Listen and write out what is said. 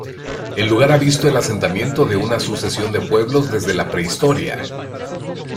El lugar ha visto el asentamiento de una sucesión de pueblos desde la Prehistoria.